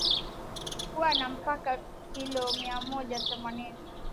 kuwa na mpaka kilo miamoja themanini